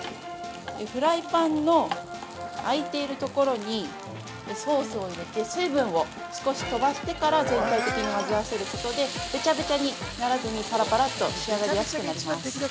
フライパンの空いているところにソースを入れて、水分を少し飛ばしてから全体的に混ぜ合わせることで、べちゃべちゃにならずにパラパラっと仕上がりやすくなります。